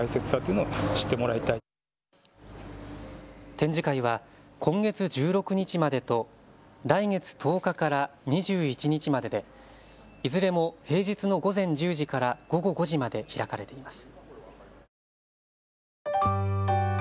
展示会は今月１６日までと来月１０日から２１日まででいずれも平日の午前１０時から午後５時まで開かれています。